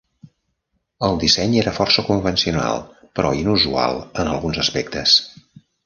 El disseny era força convencional, però inusual en alguns aspectes.